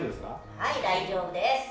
はい大丈夫です。